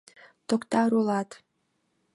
«Токтар улат!